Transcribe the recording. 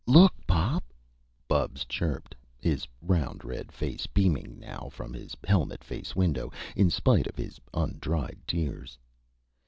"Look, Pop," Bubs chirped, his round red face beaming now from his helmet face window, in spite of his undried tears.